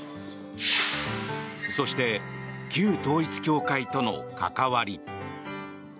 そして、旧統一教会との関わり。